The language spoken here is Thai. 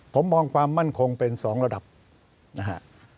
ผมมองความมั่นคงเป็น๒ระดับนะฮะ